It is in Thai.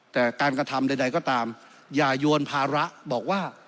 แต่การกระทำใดก็ตามอย่ายวนภาระบอกว่า